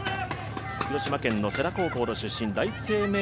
広島県の世羅高校の出身。